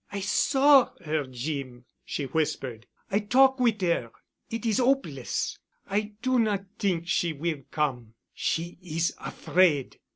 "I saw her, Jeem," she whispered. "I talk wit' 'er. It is 'opeless. I do not t'ink she will come. She is afraid."